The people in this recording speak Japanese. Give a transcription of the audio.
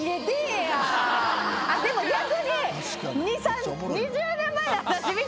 でも逆に。